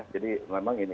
jadi memang ini